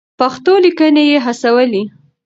پښتو ليکنې يې هڅولې.